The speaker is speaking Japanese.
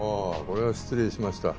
これは失礼しました。